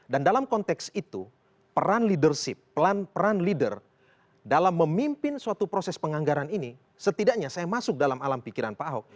dan dalam konteks itu peran leadership peran leader dalam memimpin suatu proses penganggaran ini setidaknya saya masuk dalam alam pikiran pak ahok